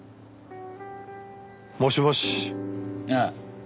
もしもし？ああ。